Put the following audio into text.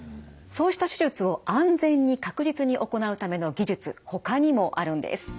そうした手術を安全に確実に行うための技術ほかにもあるんです。